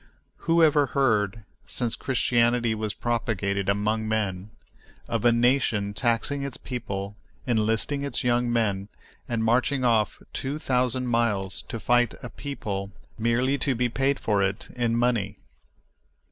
Who ever heard, since Christianity was propagated among men, of a nation taxing its people, enlisting its young men, and marching off two thousand miles to fight a people merely to be paid for it in money?